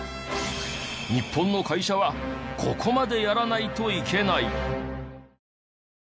日本の会社はここまでやらないといけない。